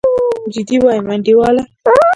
جدي وايم انډيواله.